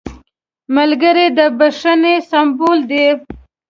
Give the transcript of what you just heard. ملګری د بښنې سمبول دی